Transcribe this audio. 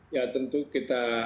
ya tentu kita